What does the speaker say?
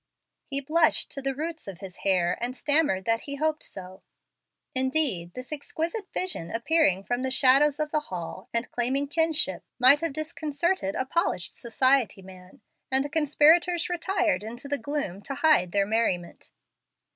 He blushed to the roots of his hair and stammered that he hoped so. Indeed, this exquisite vision appearing from the shadows of the hall, and claiming kinship, might have disconcerted a polished society man; and the conspirators retired into the gloom to hide their merriment.